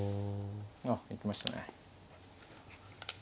あっ行きましたね。